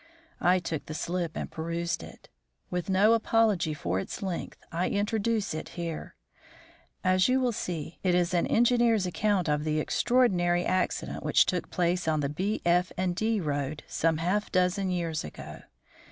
I took the slip and perused it. With no apology for its length, I introduce it here. As you will see, it is an engineer's account of the extraordinary accident which took place on the B., F. and D. road some half dozen years ago.